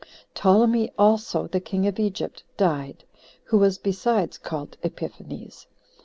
Ptolemy also, the king of Egypt, died, who was besides called Epiphanes.